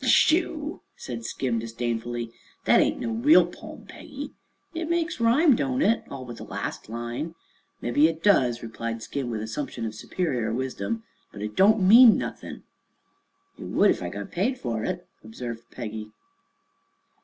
"Shoo!" said Skim disdainfully. "Thet ain't no real pome, Peggy." "It makes rhymes, don't it? All but the las' line." "Mebbe it does," replied Skim, with assumption of superior wisdom; "but it don't mean nuth'n'." "It would ef I got paid fer it," observed Peggy.